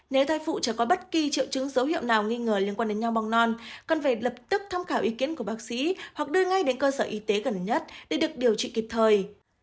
nếu thai phụ chưa có bất kỳ triệu chứng dấu hiệu nào nghi ngờ liên quan đến nhau mọc non cần phải lập tức tham khảo ý kiến của bác sĩ hoặc đưa ngay đến cơ sở y tế gần nhất để được điều trị kịp thời